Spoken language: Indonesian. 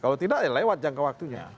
kalau tidak ya lewat jangka waktunya